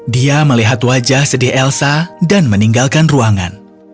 dia melihat wajah sedih elsa dan meninggalkan ruangan